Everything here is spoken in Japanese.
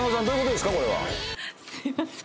すいません。